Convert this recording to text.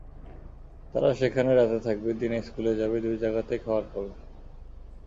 তারা সেখানে রাতে থাকবে, দিনে স্কুলে যাবে, দুই জায়গাতেই খাবার পাবে।